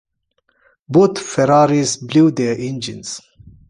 Both Ferraris blew their engines.